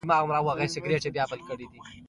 اول: ډاکټر صاحب محمد اشرف غني ناروغ دی.